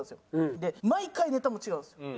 で毎回ネタも違うんです。